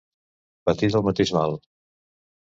Patir del mateix mal.